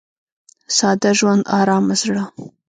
• ساده ژوند، ارامه زړه.